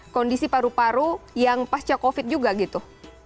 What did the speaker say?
kondisi paru paru yang pasca covid juga gitu